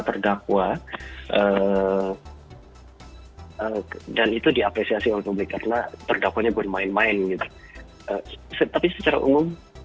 terdakwa dan itu diaplikasi oleh publik karena ternyata punya buat main main tapi secara umum